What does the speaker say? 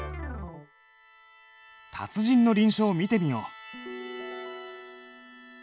達人の臨書を見てみよう。